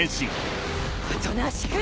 おとなしく。